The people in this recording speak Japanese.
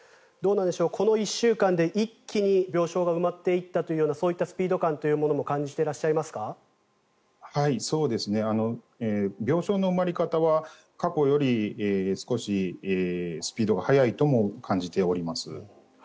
この１週間で一気に病床が埋まっていったというようなそういうスピード感というのも病床の埋まり方は過去より少しスピードが速いとも感じております。